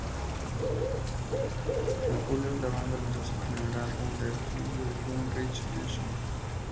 En julio, la banda lanzó su primer álbum de estudio, "Yung Rich Nation".